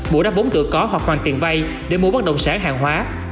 bộ đặt vốn tựa có hoặc hoàn tiền vay để mua bất động sản hàng hóa